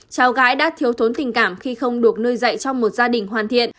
cháu gái đã thiếu thốn tình cảm khi không được nuôi dạy trong một gia đình hoàn thiện